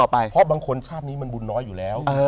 เพราะบางคนชาตินี้มันบุญน้อยอยู่แล้ว